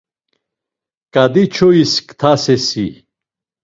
Ǩadiçois ktasesi?